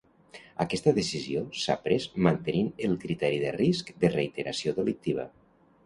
Aquesta decisió s'ha pres mantenint el criteri de risc de reiteració delictiva.